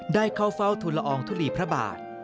ได้เข้าเฝ้าทุลอองทุลีพระบาท